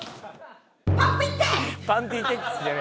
パンティーテックスじゃない。